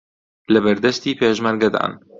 لەبەردەستی پێشمەرگەدان